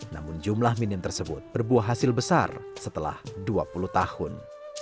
namun jumlah minim tersebut berbuah hasil besar setelah dua puluh tahun